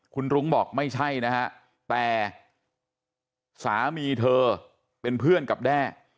คุณรุ้งบอกไม่ใช่นะฮะแต่สามีเธอเป็นเพื่อนกับแด้